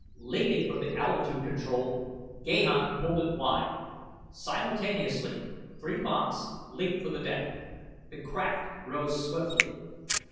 Leaping for the altitude control Gahan pulled it wide. Simultaneously three banths leaped for the deck. The craft rose swiftly.